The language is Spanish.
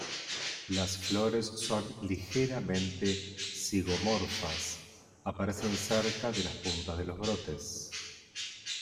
Las flores son ligeramente zigomorfas, aparecen cerca de las puntas de los brotes.